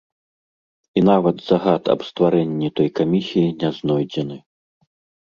І нават загад аб стварэнні той камісіі не знойдзены.